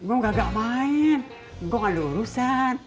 engkau kagak main engkau nggak ada urusan